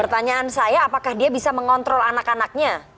pertanyaan saya apakah dia bisa mengontrol anak anaknya